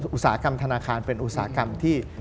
อุตสาหกรรมธนาคารเป็นอุตสาหกรรมที่